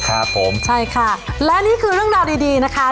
ครับผมใช่ค่ะและนี่คือเรื่องราวดีดีนะคะ